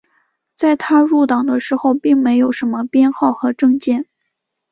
在他入党的时候并没有什么编号和证件。